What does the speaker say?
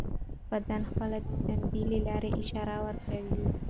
بدن خپله د تندې له لارې اشاره ورکوي.